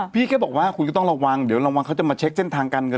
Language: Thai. พี่แค่บอกว่าคุณก็ต้องระวังเดี๋ยวระวังเขาจะมาเช็คเส้นทางการเงิน